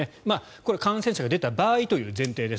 これは感染者が出た場合という前提です。